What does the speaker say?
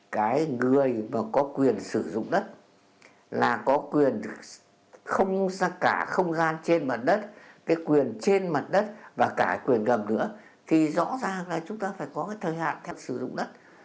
cái người mà có quyền sử dụng đất là có quyền không cả không gian trên mặt đất cái quyền trên mặt đất và cả quyền ngầm nữa thì rõ ràng là chúng ta phải có cái thời hạn sử dụng đất